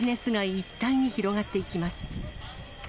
一帯に広がっていきます。